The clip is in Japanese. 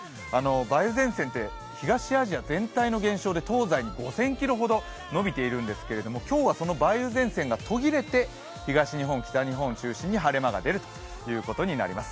梅雨前線って東アジア全体の現象で、東西に５０００ｋｍほど延びているんですけど、それが途切れて東日本、北日本中心に晴れ間が出るということです。